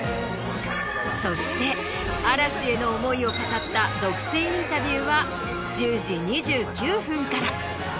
そして嵐への思いを語った独占インタビューは１０時２９分から。